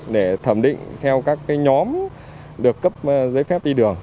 để thẩm định theo các nhóm được cấp giấy phép đi đường